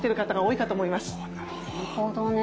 なるほどね。